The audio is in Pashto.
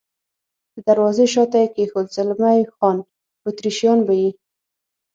د دروازې شاته یې کېښود، زلمی خان: اتریشیان به یې.